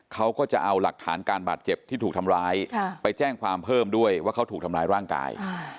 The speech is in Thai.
เขาก็จะเอาหลักฐานการบาดเจ็บที่ถูกทำร้ายไปแจ้งความเพิ่มด้วยว่าเขาถูกทำร้ายร่างกาย